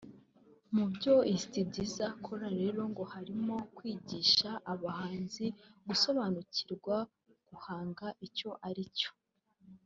Mu byo iyi sitidiyo izakora reo ngo harimo kwigisha abahanzi bagasobanurirwa guhanga icyo ari cyo